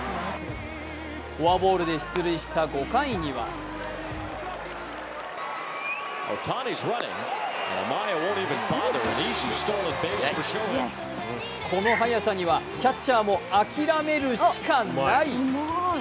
フォアボールで出塁した５回にはこの速さにはキャッチャーも諦めるシカない。